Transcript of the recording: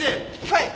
はい！